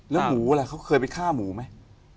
แล้วหมูอะไรเขาเคยไปฆ่าหมูไหม